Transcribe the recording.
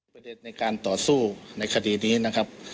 ในการต่อสู้ในคดีนี้นะครับ